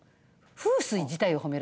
風水自体を褒めるって。